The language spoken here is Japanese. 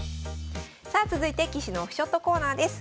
さあ続いて棋士のオフショットコーナーです。